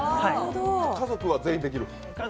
家族は全員できる？